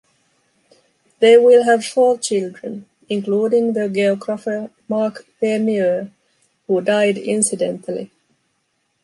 They will have four children, including the geographer Marc Vernière, who died incidentally.